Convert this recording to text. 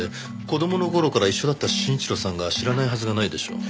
子供の頃から一緒だった真一郎さんが知らないはずがないでしょう。